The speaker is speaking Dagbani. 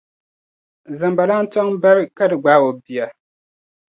zambalan' tɔŋ bari ka di gbaai o bia.